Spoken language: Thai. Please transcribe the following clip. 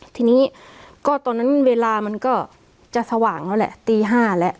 ทีนี้ก็ตอนนั้นเวลามันก็จะสว่างแล้วแหละตี๕แล้ว